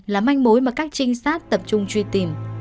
là manh mối mà các trinh sát tập trung truy tìm